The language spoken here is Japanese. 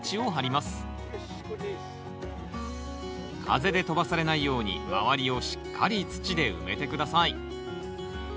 風で飛ばされないように周りをしっかり土で埋めて下さい。